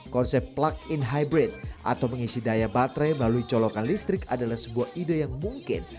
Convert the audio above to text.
konsep plug in hybrid atau mengisi daya baterai melalui colokan listrik adalah sebuah ide yang mungkin